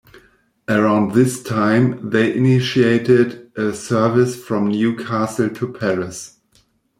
Around this time they initiated a service from Newcastle to Paris.